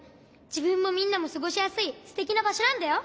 じぶんもみんなもすごしやすいすてきなばしょなんだよ。